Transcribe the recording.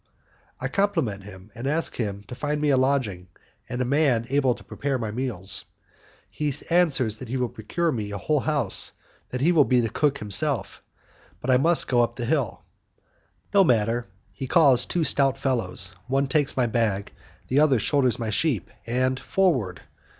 I compliment him, and ask him to find me a lodging and a man able to prepare my meals. He answers that he will procure me a whole house, that he will be my cook himself, but I must go up the hill. No matter! He calls two stout fellows, one takes my bag, the other shoulders my sheep, and forward!